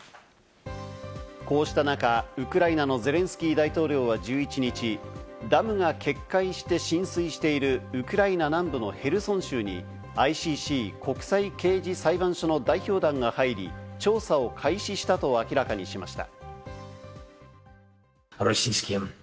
こうした中、ウクライナのゼレンスキー大統領は１１日、ダムが決壊して浸水しているウクライナ南部のヘルソン州に、ＩＣＣ＝国際刑事裁判所の代表団が入り、調査を開始したと明らかにしました。